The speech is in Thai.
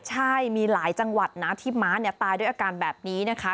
ใช่มีหลายจังหวัดนะที่ม้าเนี่ยตายด้วยอาการแบบนี้นะคะ